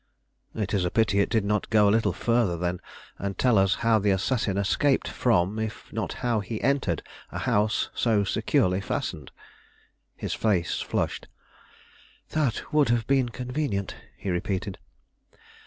"It is a pity it did not go a little further, then, and tell us how the assassin escaped from, if not how he entered, a house so securely fastened." His face flushed. "That would have been convenient," he repeated.